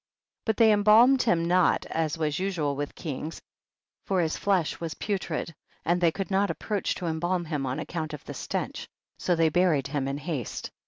60. But they embalmed him not as was usual with kings, for his flesh was putrid, and they could not ap proach to embalm him on account of the stench, so they buried him in haste.